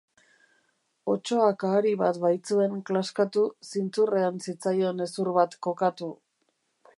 Otsoak ahari bat baitzuen klaskatu, zintzurrean zitzaion hezur bat kokatu.